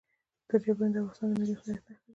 دریابونه د افغانستان د ملي هویت نښه ده.